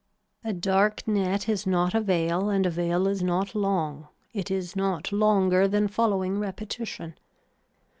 A dark net is not a veil and a veil is not long, it is not longer than following repetition.